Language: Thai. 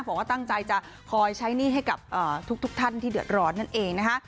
บอกว่าตั้งใจจะคอยใช้หนี้ให้กับทุกท่านที่เดือดร้อนนั่นเองนะคะ